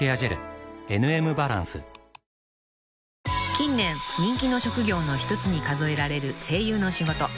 ［近年人気の職業の１つに数えられる声優の仕事］